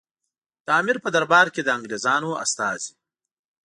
د امیر په دربار کې د انګریزانو استازي.